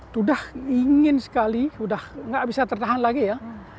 sudah ingin sekali sudah tidak bisa tertahan lagi ya